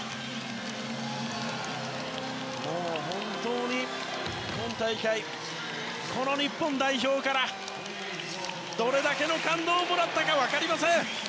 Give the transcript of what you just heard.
本当に今大会この日本代表からどれだけの感動をもらったか分かりません。